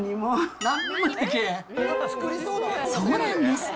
そうなんですね。